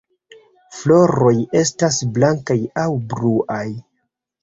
Floroj estas blankaj aŭ bluaj.